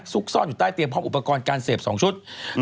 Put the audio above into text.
ซ่อนอยู่ใต้เตียงพร้อมอุปกรณ์การเสพ๒ชุด